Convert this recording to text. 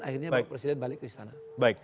akhirnya bapak presiden balik ke istana